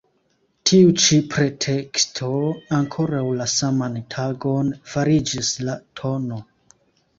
Tiu ĉi preteksto ankoraŭ la saman tagon fariĝis la tn.